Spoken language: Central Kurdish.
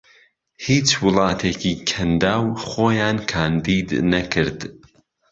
هیچ وڵاتێکی کەنداو خۆیان کاندید نەکرد